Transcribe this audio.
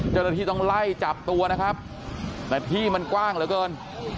เจ้าหน้าที่ต้องไล่จับตัวนะครับแต่ที่มันกว้างเหลือเกิน